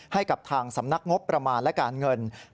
ให้กับทางสำนักงบประมาณและการเงิน